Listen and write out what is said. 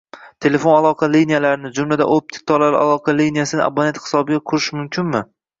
Telefon aloqa liniyalarini, jumladan, optik tolali aloqa liniyasini abonent hisobiga qurish mumkinmi?